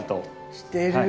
してる。